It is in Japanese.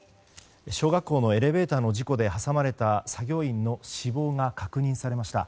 小学校のエレベーターの事故で挟まれた作業員の死亡が確認されました。